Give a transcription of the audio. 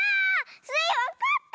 スイわかったかも！